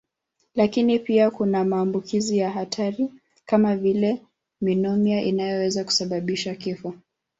Lakini pia kuna maambukizi ya hatari kama vile nimonia inayoweza kusababisha kifo.